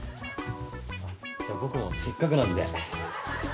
じゃあ僕もせっかくなんで。